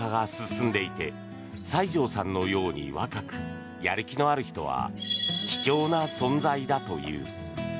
林業従事者は高齢化が進んでいて西條さんのように若くやる気のある人は貴重な存在だという。